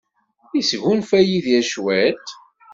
Yesgunfa Yidir cwiṭ?